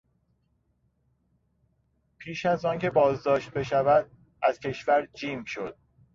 پیش از آنکه بازداشت بشود از کشور جیم شد.